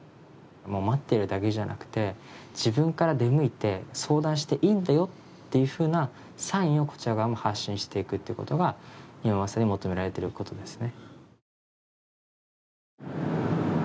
待っているだけじゃなくて、自分から出向いて、相談していいんだよっていうふうなサインをこちら側も発信していくということが今、求められていることですね。